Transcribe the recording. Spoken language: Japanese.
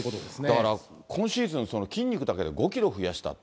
だから今シーズン、筋肉だけで５キロ増やした。